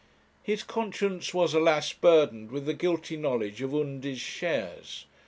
His conscience was, alas, burdened with the guilty knowledge of Undy's shares.